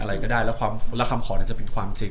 อะไรก็ได้แล้วคำขอจะเป็นความจริง